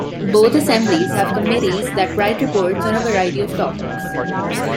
Both assemblies have committees that write reports on a variety of topics.